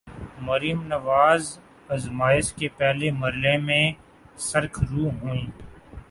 مریم نواز آزمائش کے پہلے مرحلے میں سرخرو ہوئیں۔